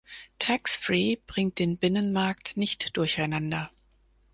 Tax free bringt den Binnenmarkt nicht durcheinander.